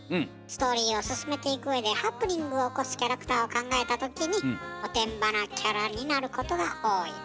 ストーリーを進めていくうえでハプニングを起こすキャラクターを考えた時におてんばなキャラになることが多い。